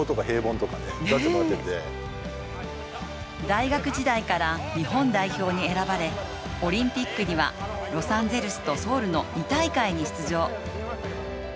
大学時代から日本代表に選ばれオリンピックにはロサンゼルスとソウルの２大会に出場。